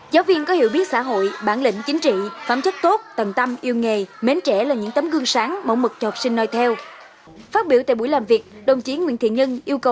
giáo viên có hiểu biết xã hội bản lĩnh chính trị phẩm chất tốt tầng tâm yêu nghề mến trẻ là những tấm gương sáng mẫu mực cho học sinh nói theo